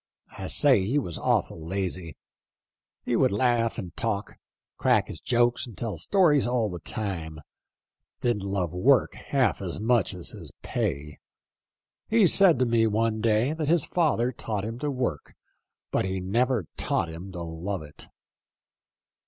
I say he was awful lazy. He would laugh and talk — crack his jokes and tell stories all the time ; didn't love work half as much as his pay. He said to me one day that his father taught him to work; but he never taught him to love it."